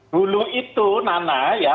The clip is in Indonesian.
dulu itu nana ya